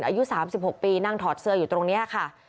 อายุ๓๖ปีนั่งถอดเสื้ออยู่ตรงนี้ค่ะ